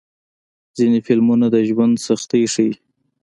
ځینې فلمونه د ژوند سختۍ ښيي.